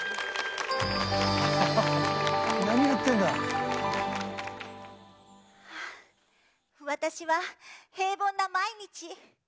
はあ私は平凡な毎日。